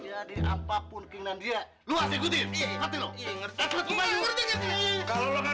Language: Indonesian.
jadi apapun keinginan dia lo hasilkan